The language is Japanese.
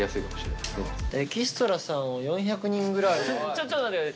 ちょ、ちょっと待って。